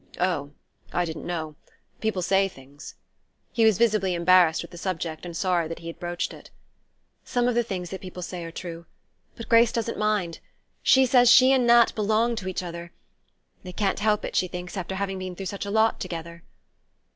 "Oh, I didn't know. People say things...." He was visibly embarrassed with the subject, and sorry that he had broached it. "Some of the things that people say are true. But Grace doesn't mind. She says she and Nat belong to each other. They can't help it, she thinks, after having been through such a lot together."